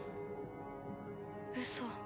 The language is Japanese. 嘘。